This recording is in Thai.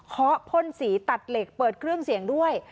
พ่นสีตัดเหล็กเปิดเครื่องเสียงด้วย